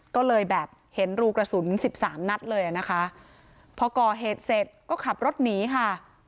ก็เลยแบบเห็นรูกระสุนสิบสามนัดเลยอ่ะนะคะพอก่อเหตุเสร็จก็ขับรถหนีค่ะ